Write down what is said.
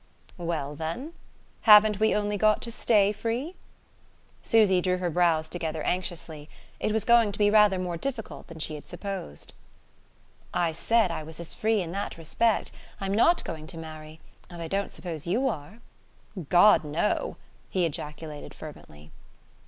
"Well, then ? Haven't we only got to stay free?" Susy drew her brows together anxiously. It was going to be rather more difficult than she had supposed. "I said I was as free in that respect. I'm not going to marry and I don't suppose you are?" "God, no!" he ejaculated fervently.